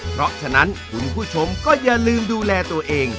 เพราะฉะนั้นคุณผู้ชมก็อย่าลืมดูแลตัวเอง